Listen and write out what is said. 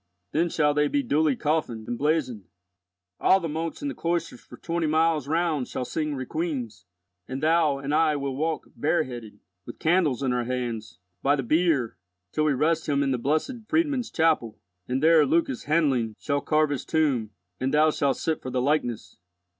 Then shall they be duly coffined and blazoned. All the monks in the cloisters for twenty miles round shall sing requiems, and thou and I will walk bareheaded, with candles in our hands, by the bier, till we rest him in the Blessed Friedmund's chapel; and there Lucas Handlein shall carve his tomb, and thou shalt sit for the likeness."